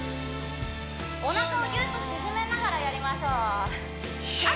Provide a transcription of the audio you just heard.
おなかをギュッと縮めながらやりましょうあっ